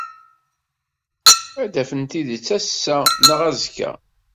Ad d-afen tidet ass-a neɣ azekka.